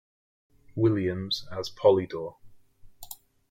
Williams as Polydore.